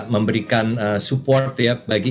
memberikan support ya bagi